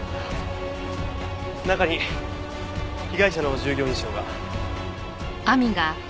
中に被害者の従業員証が。